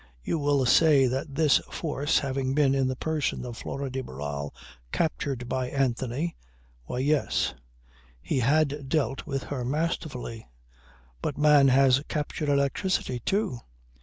You will say that this force having been in the person of Flora de Barral captured by Anthony ... Why yes. He had dealt with her masterfully. But man has captured electricity too.